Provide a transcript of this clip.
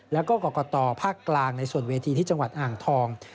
แล้วก็กรกตภาคกลางในส่วนเวทีที่จังหวัดอ่างทอง